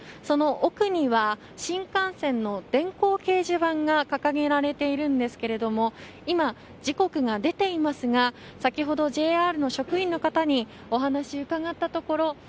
その奥には、新幹線の電光掲示板が掲げられているんですけれども今、時刻が出ていますが先ほどＪＲの職員の方にお話を伺ったところ